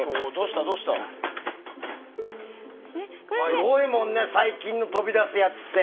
すごいもんね最近の飛び出すやつって。